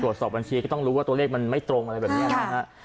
สอบบัญชีก็ต้องรู้ว่าตัวเลขมันไม่ตรงอะไรแบบนี้นะฮะ